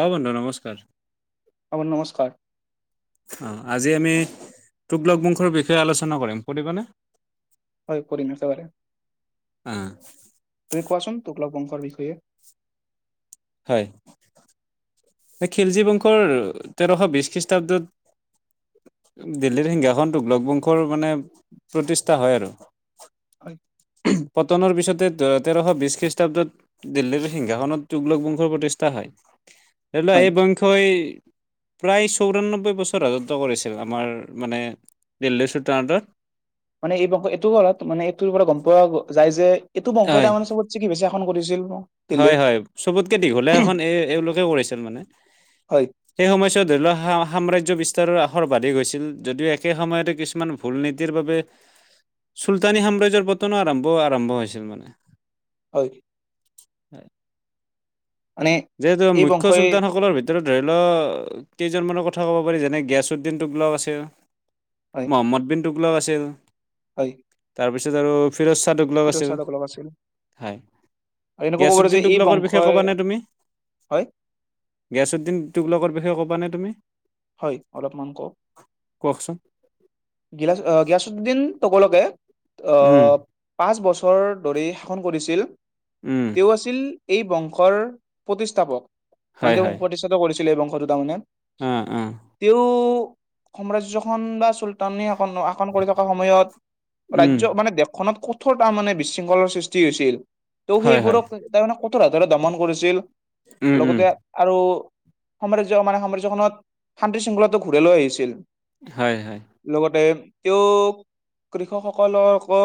অ' বন্ধু নমস্কাৰ। অ' বন্ধু নমস্কাৰ। অ', আজি আমি তোকলক বংশৰ বিষয়ে আলোচনা কৰিম, শুনিব নে? হয় কৰিম একেবাৰে, অ তুমি কোৱাচোন তোকলক বংশৰ বিষয়ে। হয়। খিলজী বংশৰ তেৰশ বিশ খ্ৰীষ্টাব্দত। দিল্লীৰ সিংহাসন তোকলগ বংশৰ মানে, প্ৰতিষ্ঠা হয় আৰু। [unintelligible] পতনৰ পিছতে তেৰশ বিশ খ্ৰীষ্টাব্দত। দিল্লীৰ সিংহাসনত তুগলক বংশৰ প্ৰতিষ্ঠা হয়, ধৰি লওঁ হয় এই বংশই প্ৰায় চৌৰানব্বৈ বছৰ ৰাজত্ব কৰিছিল। আমাৰ মানে দিল্লী চোলতানটে। মানে এই বংশ এইটো ঘৰত মানে এইটোৰ পৰা গ'ম পোৱা যায় যে, এইটো বংশই হয় তাৰমানে চবত। চিকি বেছি শাসন কৰিছিল। হয়, দিল্লীত হয়, চবতকে দীঘলীয়া এখন এ এওঁলোকে কৰিছিল মানে। হয় সেই সময়ছোৱাত ধৰি লোৱা সাম্ৰাজ্য বিস্তাৰৰ আসৰ বাধিক হৈছিল, যদিও একে সময়তে কিছুমান ফুল নীতিৰ বাবে, চুলতানী সাম্ৰাজ্যৰ পতনো আৰম্ভ আৰম্ভ হৈছিল মানে। হয়। হয়। মানে যিহেতু এই মুখ্য বংশই চুলতানসকলৰ ভিত ধৰি লওঁক কেইজনমানৰ কথা ক'ব পাৰি, যেনে গিয়াচুদ্দিন টোগলাওঁ আছে। হয় মহম্মদ বিন টুগলাওঁ আছিল। হয়। তাৰপিছত আৰু ফিৰচ্বা টোগলাও ফিৰোজ আছিল। শ্বাহ টোকলক আছিল হয়। আৰু এনেকুৱা ক'ব পাৰি যে গিয়াচুদ্দিন এই টোগলাকৰ বিষয়ে বংশই ক'বা নে তুমি? হয়। গিয়াচুদ্দিন টোগলাকৰ বিষয়ে কবানে তুমি? হয়, অলপমান কওঁক। কওঁকচোন। গিয়াচুদ্দিন তকলকে আ উম পাঁচ বছৰ ধৰি শাসন কৰিছিল। উম। তেওঁ আছিল এই বংশৰ প্ৰতিষ্ঠাপক। হয় মানে তেওঁ হয় বংশ প্ৰতিষ্ঠাত কৰিছিলে এই বংশটো তাৰমানে। অ', অ'। তেওঁ সাম্ৰাজ্যখন বা চল আ আকন আকন কৰি থকা সময়ত, উম ৰাজ্য মানে দেশখনত ক'ত কঠোৰ তাৰ মানে বিশৃংখলৰ সৃষ্টি হৈছিল। ত' হয় হয় সেইবোৰক তাৰ মানে কঠোৰ হাতেৰে দমন কৰিছিল। উম উম লগতে আৰু সাম্ৰাজ্য মানে সাম্ৰাজ্যখনত শান্তি শৃংখলাটো ঘূৰে লৈ আহিছিল। হয়, হয়। লগতে তেওঁ কৃষকসকলৰ ক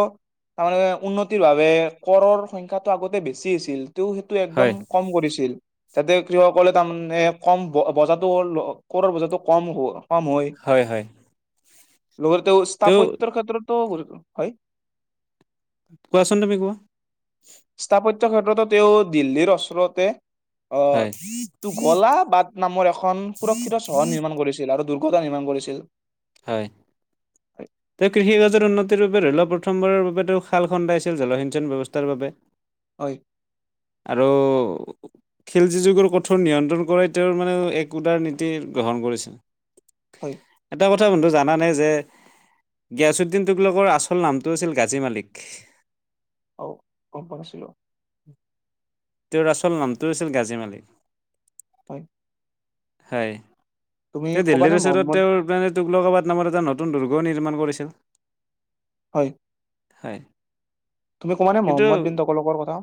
তাৰ মানে উন্নতিৰ বাবে কৰৰ সংখ্যাটো আগতে বেছি আছিল, তেওঁ সেইটো হয় একদম কম কৰিছিল। যাতে কৃষকসকলে তাৰমানে, কম ব বজাৰটো কৰৰ বজাৰটো কম কম হয়। হয়, হয়। লগতে তেওঁ স্থাপত্যৰ ক্ষেত্ৰতো, হয়। কোৱাচোন তুমি কোৱা। স্থাপত্যৰ ক্ষেত্ৰতো তেওঁ দিল্লীৰ ওচৰতে অ হয় কলা বাট নামৰ এখন সুৰক্ষিত চহৰ নিৰ্মাণ কৰিছিল আৰু দুৰ্ঘতা নিৰ্মাণ কৰিছিল। হয়, হয় তে কৃষি কাৰ্য্যৰ উন্নতিৰ [unintelligible] প্ৰথমবাৰৰ বাবেতো খাল খন্দাইছিল জলসিঞ্চন ব্যৱস্থাৰ বাবে হয়। আৰু খেলজি যুগৰ কঠোৰ নিয়ন্ত্ৰণ কৰাই তেওঁৰ মানে এক উদাৰ নীতি গ্ৰহণ কৰিছিল। হয়। এটা কথা বন্ধু জানানে, যে জ্ঞাছুদিন তুগলোকৰ আচল নামটো আছিল গাজী মালিক। অ গম পোৱা নাছিলোঁ। তেওঁৰ আচল নামটো আছিল গাজী মালিক। হয়। হয়, তুমি তেওঁ ক'বানে দিল্লীৰ ওচৰত মহম্মদ তেওঁৰ মান টোলকাবাদ নামৰ এটা নতুন দুৰ্গ নিৰ্মাণ কৰিছিল। হয়। হয়। তুমি কোৱানে কিন্তু মহম্মদ বিন তোকলোকৰ কথা?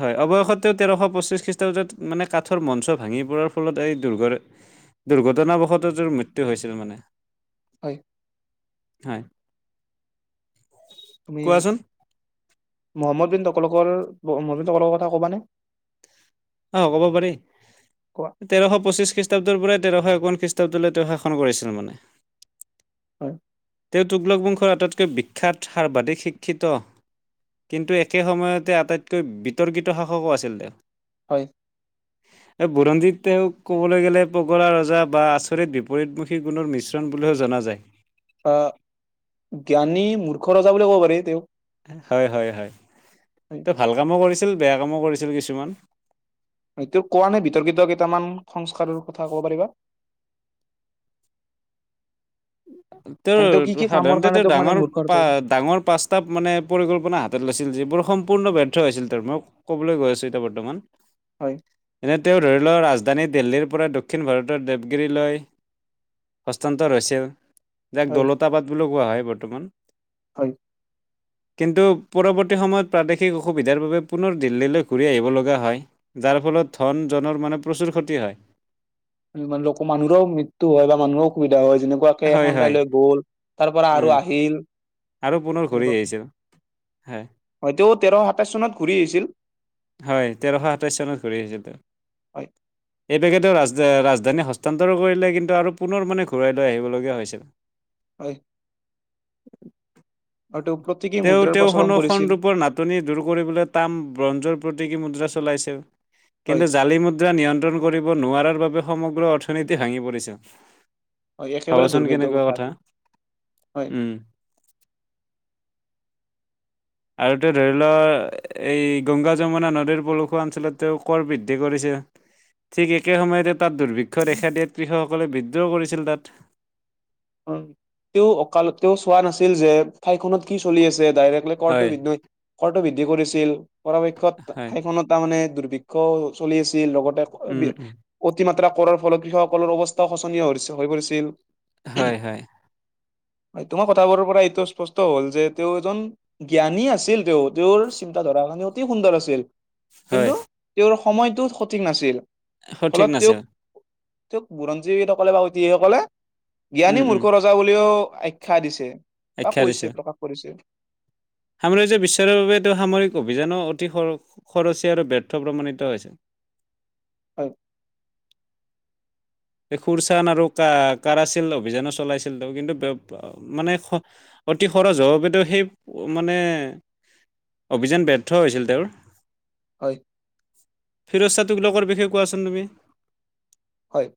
হয়, অৱশেষত তেওঁ তেৰশ পঁচিশ খ্ৰীষ্টাব্দত মানে কাঠৰ মঞ্চ ভাঙি পৰাৰ ফলত এই দুৰ্ঘ-দুৰ্ঘটনাবশ তেওঁৰ মৃত্যু হৈছিল মানে। হয়। হয়। তুমি কোৱাচোন মহম্মদ বিন তকলকৰ, মহম্মদ বিন তকলোকৰ কথা কবানে? অ কব পাৰি। কোৱা তেৰশ পঁচিশ খ্ৰীষ্টাব্দৰ পৰাই তেৰশ একৱন খ্ৰীষ্টাব্দলৈ তেওঁ শাসন কৰিছিল মানে। হয়। তেওঁ তুগলকবংশৰ আটাইতকৈ বিখ্যাত সৰ্বাধিক শিক্ষিত কিন্তু একে সময়তে আটাইতকৈ বিতৰ্কিত শাসকো আছিল তেওঁ। হয়। এই বুৰঞ্জীত তেওঁক ক'বলৈ গ'লে পগৰা ৰজা বা আচৰিত বিপৰীত গুণৰ মিশ্ৰণ বুলিও জনা যায়। অঁ, জ্ঞানী মূৰ্খ ৰজা বুলি কব পাৰি তেওঁক। হয়-হয়-হয় হয় তেওঁ ভাল কামো কৰিছিল, বেয়া কামো কৰিছিল কিছুমান। এইটো কোৱা নে বিতৰ্কিত কেইটামান সংস্কাৰৰ কথা ক'ব পাৰিবা? [inaudible] মানে তেওঁ কি তেওঁৰ কি কামৰ সাধাৰণতে কাৰণে তেওঁ তেওঁক মানে ডাঙৰ মূৰ্খৰ পা জয় ডাঙৰ পাঁচ মানে পৰিকল্পনা হাতত লৈছিল, যিবোৰ সম্পূৰ্ণ ব্যৰ্থ হৈছিল তেওঁৰ মোক ক'বলৈ গৈ আছো এতিয়া বৰ্তমান হয়। এনে তেওঁ ধৰি লওক ৰাজধানী দিল্লীৰ পৰা দক্ষিণ ভাৰতৰ দেৱগিৰিলৈ হস্তান্তৰ হৈছিল যাক হয়, দলতা বাদ বুলিও কোৱা হয় বৰ্তমান। হয়। কিন্তু পৰৱৰ্তী সময়ত প্ৰাদেশিক অসুবিধাৰ বাবে পুনৰ দিল্লীলৈ ঘূৰি আহিব লগা হয়। যাৰ ফলত ধন জনৰ মানে প্ৰচুৰ ক্ষতি হয়। [unintelligible] মানুহৰও মৃত্যু হয় বা মানুহৰ অসুবিধা হয় যেনেকুৱা কে হয় এখন হয় ঠাইলৈ গ'ল তাৰ পৰা আৰু উম। আহিল আৰু পুনৰ ঘূৰি তেনেকুৱা আহিছিল হয় হয়টো তেৰশ সাতাইশ চনত ঘূৰি আহিছিল। হয়, তেৰশ সাতাইছ চনত ঘূৰি আহিছিল তেওঁ। হয়। এই বেগেটে ৰাজ অ ৰাজধানী হস্তান্তৰ কৰিলে কিন্তু আৰু পুনৰ মানে ঘূৰাই লৈ আহিবলগীয়া হৈছিল। হয়। আৰু তেওঁ প্ৰতিক তেওঁ তেওঁৰ সনসণ ৰূপৰ নাট টনি দূৰ কৰিবলৈ তাম ব্ৰঞ্জৰ প্ৰতিকি মুদ্ৰা চলাইছে হয়, কিন্তু জালি মু দ্ৰা নিয়ন্ত্ৰণ কৰিব নোৱাৰাৰ বাবে সমগ্ৰ অৰ্থনীতি ভাঙি পৰিছে। হয় একেবাৰে ভাবাচোন দুৰ্ভাগ্যৰ কেনেকুৱা কথা, এইটো হয়। উম। আৰু তেওঁ ধৰি লওক এই গংগা, যমুনা নদীৰ পৰসুৱা অঞ্চলত তেওঁ কৰ বৃদ্ধি কৰিছে। ঠিক একে সময়তে তাত দুৰ্ভিক্ষই দিয়াত কৃষকসকলে বিদ্ৰোহ কৰিছিল তাত। উ তেওঁ অকাল তেওঁ চোৱা নাছিল যে ঠাইখনত কি চলি আছে ডাইৰেক্ট। বোলে কৰটো হয় [unintelligible] কৰটো বৃদ্ধি কৰিছিল পৰাপক্ষত হয় ঠাইখনত তাৰ মানে দুৰ্ভিক্ষও চলি আছিল লগতে উম বি উম অতিমাত্ৰা কৰাৰ ফলত কৃষকসকলৰ অৱস্থাও শোচনীয় হৈ হৈ পৰিছিল। হয়, হয়। তোমাৰ কথাবোৰৰ পৰা এইটো স্পষ্ট হ'ল যে তেওঁ এজন জ্ঞানী আছিল তেওঁ, তেওঁৰ চিন্তা ধৰাৰ কাৰনে অতি সুন্দৰ আছিল। হয় কিন্তু তেওঁৰ সময়টো সঠিক নাছিল, সঠিক ফলত তেওঁ নাছিল তেওঁক বুৰঞ্জীবিদসকলে বা ঐতিসাহিক সকলে জ্ঞানী উম উম মূৰ্খ ৰজা বুলিও আখ্যা দিছে, বা আখ্যা দিছে কৈছে প্ৰকাশ কৰিছে। সাম্ৰাজ্য বিশ্বাসৰ বাবে এই তেওঁটো সামৰিক অভিযানো অতি খৰ খৰচী আৰু ব্যৰ্থ প্ৰমাণিত হৈছে। হয়। খুৰচান আৰু কা কাৰাছিল অভিযানো চলাইছিল তেওঁ কিন্তু মানে খ অতি খৰচ হ'ব বাবেতো সেই মানে অভিযান ব্যৰ্থ হৈছিল তেওঁৰ। হয়। ফিৰজ চা তোগলকৰ বিষয়ে কোৱাচোন তুমি? হয়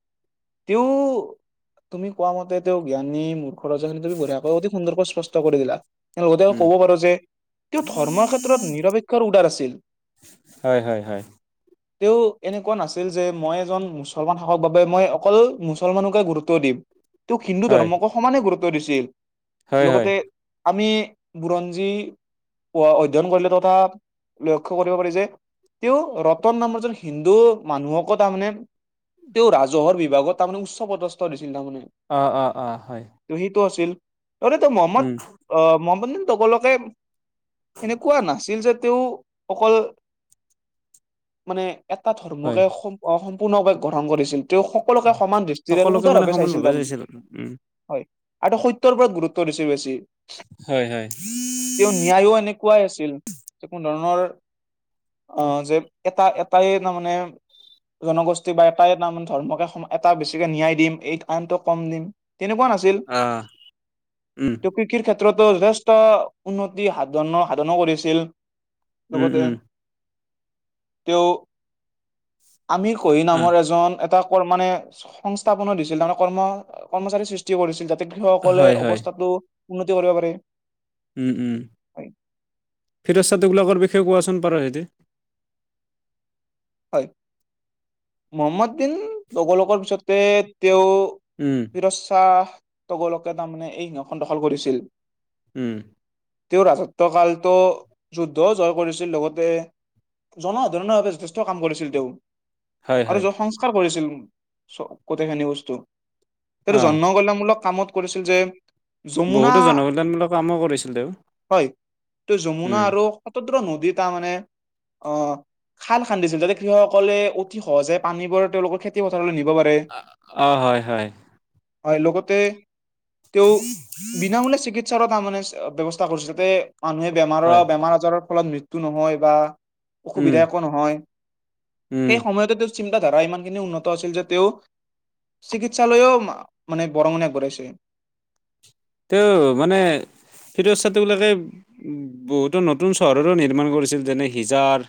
তেওঁ তুমি কোৱা মতে তেওঁ জ্ঞানী মূৰ [unintelligible] ক অতি সুন্দৰকৈ স্পষ্ট কৰি দিলা তেওঁ লগতে উম, ক'ব পাৰো যে তেওঁ ধৰ্মৰ ক্ষেত্ৰত নিৰপেক্ষৰ উদাৰ আছিল। হয়, হয়, হয়। তেওঁ এনেকুৱা নাছিল যে মই এজন মুছ মুছলমান শাসক বাবে মই অকল মুছলমানকে গুৰুত্ব দিম তোক হিন্দু হয়, ধৰ্মকো সমানে গুৰুত্ব দিছিল হয়, হয়, লগতে আমি বুৰঞ্জী পোৱা অধ্যয়ন কৰিলে তথা লক্ষ্য কৰিব পাৰি যে তেওঁ ৰতন নামৰ এজন হিন্দু মানুহকো তাৰমানে তেওঁ ৰাজহৰ বিভাগত তাৰমানে উচ্চ পদস্থ দিছিল তাৰমানে। অঁ, অ, অ, হয়। ত সেইটো আছিল তৰে ত মহম্মদ উম, আহ মহম্মদ তগলকে এনেকুৱা নাছিল যে তেওঁ অকল মানে এটা হয়। ধৰ্মকে সম সম্পূৰ্ণৰপে গ্ৰহণ কৰিছিল তেওঁ সকলোকে সমান দৃষ্টিৰে আৰু সকলোকে মানে উদাৰভাৱে চাইছিল সমানভাৱে তাৰমান, উম, হয়। এটা সত্যৰ ওপৰত গুৰুত্ব দিছে বেছি। হয়, হয়। তেওঁ ন্যায়ো এনেকুৱাই আছিল য কোনো ধৰণৰ। অ যে এটা এটাই তাৰ মানে। জনগোষ্ঠী বা এটাই এটা মানে ধৰ্মকে এটা বেছিকে ন্যায় দিম এই আইনতটো কম দিম তেনেকুৱা নাছিল। অ', উম, [unintelligible] কিৰ ক্ষেত্ৰতো যথেষ্ট উন্নতি সাধন সাধনো কৰিছিল উম, লগতে উম, তেওঁ আমি কহি অ', নামৰ এজন এটা কৰ মানে সংস্থাপন দিছিল তাৰমানে কৰ্ম কৰ্মচাৰী সষ্ট কৰিছিল যাতে কৃষকসকলে হয়, হয়, অৱস্থাতো উন্নতি কৰিব পাৰে। উম উম হয় ফিৰজ চাদবিলাকৰ বিষয়ে কোৱাচোন পাৰ সিতি। হয় মহম্মদ বিন লগলোকৰ পিছতে তেও উম। পিৰচ্ছা তগলকে তাৰমানে এই সিংহখন দখল কৰিছিল। উম। তেও ৰাজত্ব কালটো যুদ্ধও জয় কৰিছিল লগতে জনসাধাৰণৰ বাবে যথেষ্ট কাম কৰিছিল তেওঁ হয় আৰু হয়, য [unintelligible] গোটেই খিনি বস্তু হেইটো অ', জন্ম গলামূলক কামত কৰিছিল যে যমুনা বহুতো জনকল্যাণমূলক কামো কৰিছিল তেওঁ। হয় ত যমুনা উম, আৰু সতদ্ৰ নদী তাৰ মানে অ', খাল খান্দিচিল যাতে কৃষকসকলে অতি সহজে পানীবোৰ তেওঁলোকৰ খেতি পথাৰলৈ নিব পাৰ অ', হয় হয়। হয় লগতে তেওঁ বিনামূলীয়া চিকিৎসাৰ তাৰমানে ব্যৱস্থা কৰিছিল যাতে মানুহে বেমাৰৰ হয়, বেমাৰ আজাৰৰ ফলত মৃত্যু নহয় বা উম অসুবিধা একো নহয়। উম, সেই সময়তে তেওঁৰ চিন্তাধাৰা ইমানখিনি উন্নত আছিল যে তেওঁ চিকিৎসালয়ও মানে বৰঙণি আগবঢ়াইছে। তেওঁ মানে ফিৰ ছাতবিলাকে বহুতো নতুন চহৰো নিৰ্মাণ কৰিছিল যেনে হিজাৰ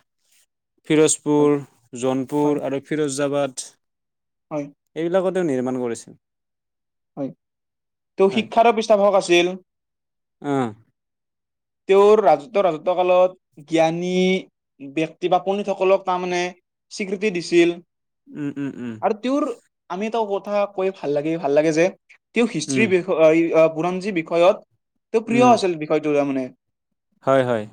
হয় ফিৰোজপুৰ হয় জোনপুৰ আৰু ফিৰোজাবাদ হয়। এইবিলাকো তেওঁ নিৰ্মাণ কৰিছিল। হয় ত হয়, শিক্ষাতো পৃষ্ঠাক আছিল। অ'। তেওঁৰ ৰাজত্ব ৰাজত্ব কালত জ্ঞানী ব্যয়ক্তি বা পণ্ডিতসকলক তাৰমানে স্বীকৃতি দিছিল উম উম উম। আৰু তেওঁৰ আমি ত কথা কৈ ভাল লাগি ভাল লাগে যে তেওঁ উম হিষ্ট্ৰীৰ বিয় [unintelligible] পুৰঞ্জী বিষয়ত তেওঁ প্ৰিয় উম, আছিল বিষয়টো তাৰ মানে। হয় হয়।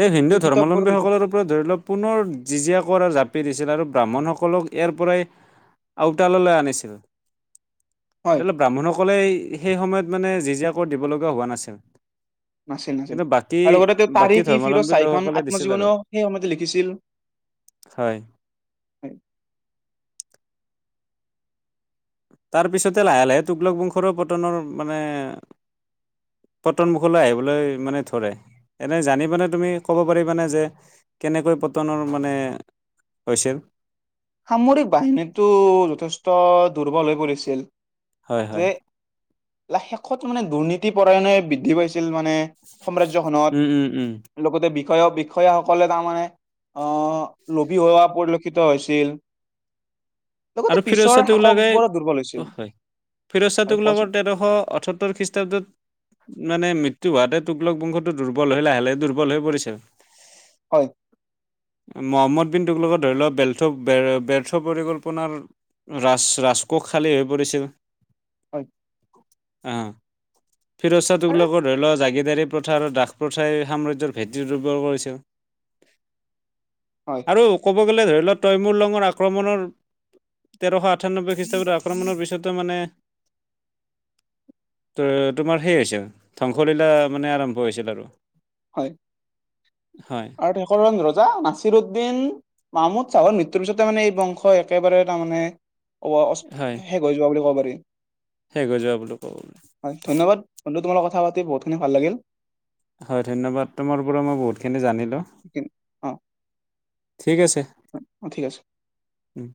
তেওঁ হিন্দু ধৰ্মলম্বীসকলৰ [unintelligible] ধৰি লওক পুনৰ জিজিয়া কৰ জাপি দিছিল আৰু ব্ৰাহ্মণসকলক ইয়াৰ পৰাই আউটাল লৈ আনিছিল। হয় ব্ৰাহ্মণসকলে সেই সময়ত মানে জিজিয়াকৈ দিব লগগীয়া হোৱা নাছিল। নাছিল, নাছিল। কিন্তু বাকী আৰু লগতে তেওঁ বাকী তাৰিখ ই ফিৰজ ধৰ্মাৱলম্বী চাহিখন লোকসকলে দিছিল আৰু আত্মজীৱনেও সেই সময়তে লিখিছিল। হয়। তাৰপিছতে লাহে লাহে টোঘলক বংশৰৰ পতনৰ মানে পটনমুখলৈ আহিবলৈ মানে ধৰে। এনেই জানিবানে তুমি ক'ব পাৰিবানে যে কেনেকৈ পতনৰ মানে হৈছিল? সামৰিক বাহিনীটো যথেষ্ট দুৰ্বল হৈ পৰিছিল। হয় হয় যে লা শেষত মানে দুৰ্নীতি পৰায়ণে বৃদ্ধি পাইছিল মানে উম উম উম সাম্ৰাজ্যখনত। লগতে বিষয়া বিষয়াসকলে তাৰমানে অ' লবি হোৱা পৰিলক্ষিত হৈ হৈছে ছিল। আৰু ফিৰোজ চাহ টোঘলকে অ', হয় ফিৰজ চাহ হয় কোৱাচোন টোঘলকৰ তেৰশ আঠসত্তৰ খ্ৰীষ্টাব্দত মানে মৃত্যু হোৱাতে টোঘলক বংশতো দুৰ্বল হৈ লাহে লাহে দুৰ্বল পৰিছিল। হয়। মহম্মদ বিন টোঘলক ধৰি লোৱা ব্যৰ্থ, ব্যৰ্থ পৰিকল্পনা নাৰ ৰাস ৰাজকোষ খালী হৈ পৰিছিল। হয়। অ', ফিৰোজ চাহ আৰু টোঘলকৰ ধৰি লোৱা জাগিদাৰী প্ৰথাৰ আৰু দাস প্ৰথাই সাম্ৰাজ্যৰ ভেটি দুৰ্বল কৰিছিল। হয়। আৰু ক'ব গ'লে ধৰি লওক তয়মুৰ লঙৰ আক্ৰমণৰ তেৰশ আঠানব্বৈ খ্ৰীষ্টাব্দ আক্ৰমৰ পিছতে মানে ত তোমাৰ সেই হৈছিল ধ্বংসলীলা মানে আৰম্ভ হৈছিল আৰু। হয়, হয় আৰু শেষৰ ৰজা নাচিৰ উদ্দিন মামুদ চাহৰ মৃত্যুৰ পিছতে মানে এই বংশ একেবাৰে তাৰ মানে হয় শেষ হৈ যোৱা বুলি ক'ব পাৰি। শেষ হৈ যোৱা বুলি ক'ব পাৰি। ধন্যবাদ বন্ধু তোমাৰ লগত কথা পাতি বহুতখিনি ভাল লাগিল। হয় ধন্যবাদ, তোমাৰ পৰা মই বহুতখিনি জানিলোঁ, অ ঠিক আছে। অ' ঠিক আছে। উম।